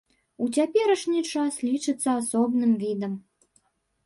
У цяперашні час лічыцца асобным відам.